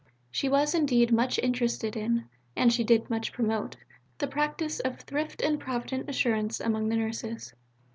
She was indeed much interested in, and she did much to promote, the practice of thrift and provident assurance among the Nurses.